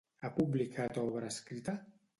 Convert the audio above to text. Ha publicat obra escrita?